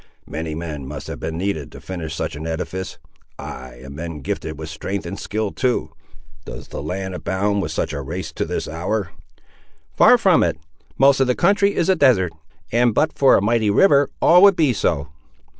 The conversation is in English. Many men must have been needed to finish such an edifice; ay, and men gifted with strength and skill too! Does the land abound with such a race to this hour?" "Far from it. Most of the country is a desert, and but for a mighty river all would be so."